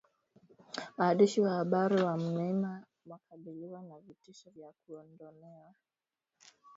Waandishi wa Habari wa Myanmar wakabiliwa na vitisho vya kuondolewa Thailand